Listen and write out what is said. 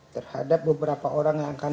terhadap beberapa orang yang akan